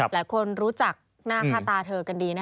หลายคนรู้จักหน้าค่าตาเธอกันดี